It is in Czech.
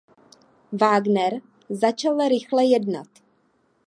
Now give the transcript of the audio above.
Vágner začal rychle jednat.